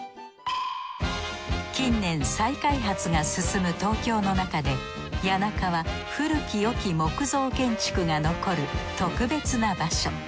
近年再開発が進む東京のなかで谷中は古きよき木造建築が残る特別な場所。